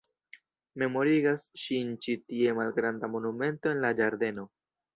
Memorigas ŝin ĉi tie malgranda monumento en la ĝardeno.